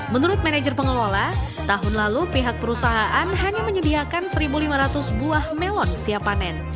menurut manajer pengelola tahun lalu pihak perusahaan hanya menyediakan satu lima ratus buah melon siap panen